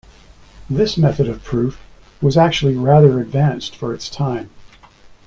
This method of proof was actually rather advanced for its time.